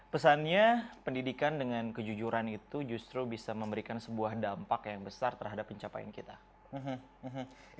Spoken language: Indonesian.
pesannya pendidikan dengan kejujuran itu justru bisa memberikan sebuah dampak yang besar terhadap pencapaian kita